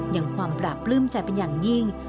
อย่างความปราบปลื้มใจเป็นอย่างยิ่ง